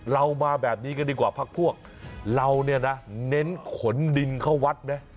เรามาแบบนี้กันดีกว่าพระพวกเราเน้นขนดินเข้าวัด